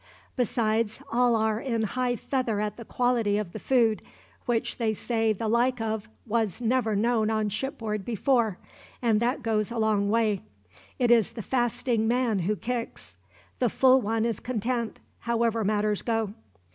Besides, all are in high feather at the quality of the food, which they say the like of was never known on shipboard before; and that goes a long way. It is the fasting man who kicks. The full one is content, however matters go."